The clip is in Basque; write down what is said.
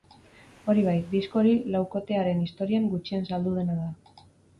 Hori bai, disko hori laukotearen historian gutxien saldu dena da.